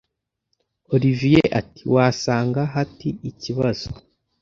olivier ati”wasanga hati ikibazo